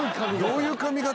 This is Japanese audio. どういう髪形？